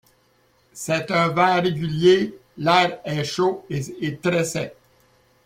C'est un vent régulier, l'air est chaud et très sec.